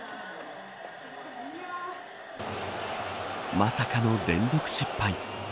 まさかの連続失敗。